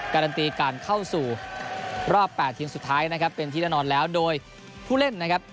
การันตีการเข้าสู่รอบ๘ทีมสุดท้ายนะครับเป็นที่แน่นอนแล้วโดยผู้เล่นนะครับ